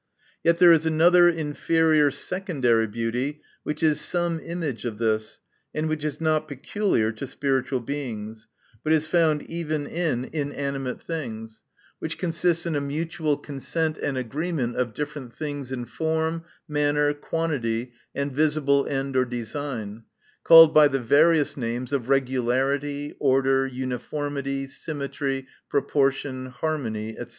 Yet there is another inferior, second ary beauty, which is some image of this, and which is not peculiar to spiritual Beings, but is found even in inanimate things ; which consists in a mutual con sent and agreement of different things in form, manner, quantity, and visible end or design ; called by the various names of regularity, order, uniformity, symmetry, proportion, harmony, &c.